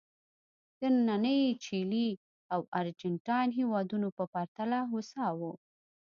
د نننۍ چیلي او ارجنټاین هېوادونو په پرتله هوسا وو.